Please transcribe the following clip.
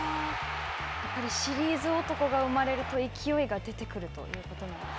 やっぱりシリーズ男が生まれると、勢いが出てくるということなんですか。